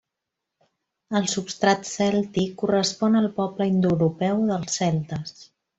El substrat cèltic correspon al poble indoeuropeu dels celtes.